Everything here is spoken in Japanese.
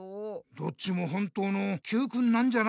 どっちも本当のＱくんなんじゃないか？